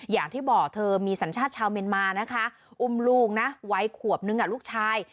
อย่างที่บอกเธอมีสัญชาติชาวเมียนมานะคะอุ้มลูกนะวัยขวบนึงลูกชาย